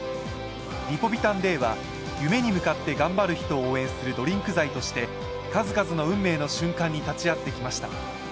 リポビタンＤは、夢に向かって頑張る人を応援するドリンク剤として数々の運命の瞬間に立ち会ってきました。